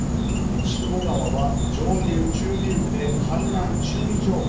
筑後川は上流、中流部で氾濫注意情報。